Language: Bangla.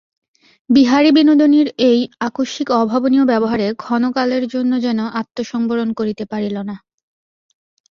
বিহারী বিনোদিনীর এই আকস্মিক অভাবনীয় ব্যবহারে ক্ষণকালের জন্য যেন আত্মসংবরণ করিতে পারিল না।